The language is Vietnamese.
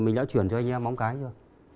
mình đã chuyển cho anh em móng cái chưa